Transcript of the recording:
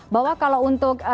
bahwa kalau untuk